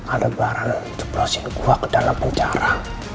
ada barang jeprosin gua ke dalam penjara